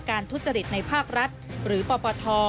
ทุจริตในภาครัฐหรือปปท